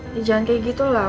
ya jangan kayak gitu lah